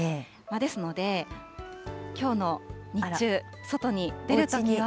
ですので、きょうの日中、外に出るときには。